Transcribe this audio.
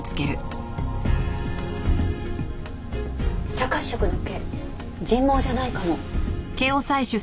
茶褐色の毛人毛じゃないかも。